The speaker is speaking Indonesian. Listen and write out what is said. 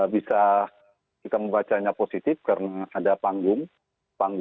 bisa kita membacanya positif karena ada panggung